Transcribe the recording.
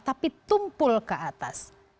tapi tumpul ke atas